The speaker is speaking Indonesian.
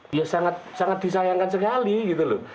dia sangat disayangkan sekali gitu loh